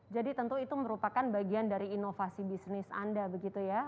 jadi tentu itu merupakan bagian dari inovasi bisnis anda begitu ya